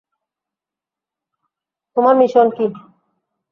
তোমার মিশন কি?